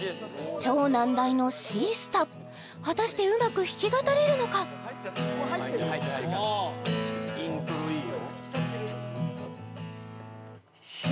超難題の「Ｃスタ」果たしてうまく弾き語れるのかイントロいいよ